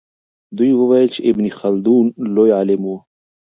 دوی وویل چې ابن خلدون لوی عالم و.